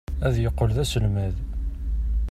Ad yeqqel d aselmad.